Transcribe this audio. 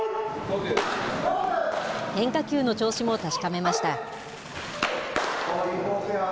変化球の調子も確かめました。